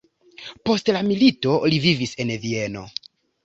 Post la milito li vivis en Vieno.